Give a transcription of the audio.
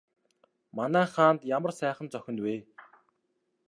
Манай хаанд ямар сайхан зохино вэ?